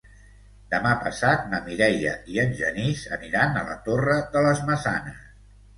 Demà passat na Mireia i en Genís aniran a la Torre de les Maçanes.